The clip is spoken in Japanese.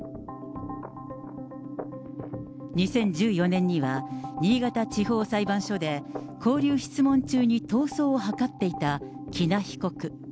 ２０１４年には、新潟地方裁判所で勾留質問中に逃走を図っていた喜納被告。